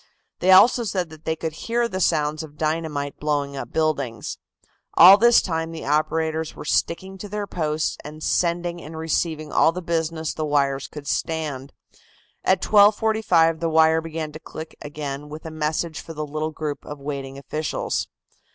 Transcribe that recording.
They also said that they could hear the sound of dynamite blowing up buildings. All this time the operators were sticking to their posts and sending and receiving all the business the wires could stand. At 12.45 the wire began to click again with a message for the little group of waiting officials.